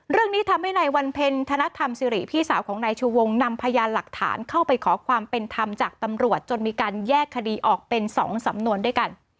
เรื่องนี้ทำให้ในวันเพ็ญธนธรรมสิริพี่สาวของนายชูวงนำพยานหลักฐานเข้าไปขอความเป็นธรรมจากตำรวจจนมีการแยกคดีออกเป็น๒สำนวนด้วยกัน